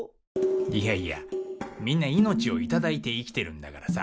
いやいやみんな命を頂いて生きてるんだからさ